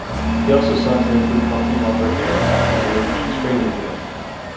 He also sought to include companies operating aircraft under the emissions trading regime.